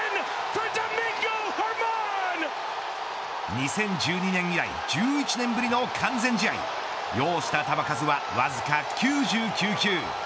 ２０１２年以来１１年ぶりの完全試合要した球数はわずか９９球。